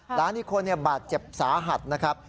หลานอีกคนบาดเจ็บสาหัสนะครับ